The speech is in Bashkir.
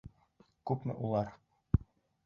Күпме улар!